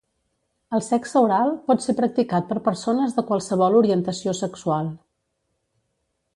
El sexe oral pot ser practicat per persones de qualsevol orientació sexual.